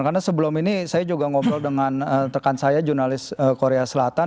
karena sebelum ini saya juga ngobrol dengan rekan saya jurnalis korea selatan